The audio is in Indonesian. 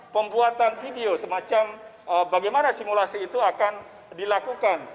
pembuatan video semacam bagaimana simulasi itu akan dilakukan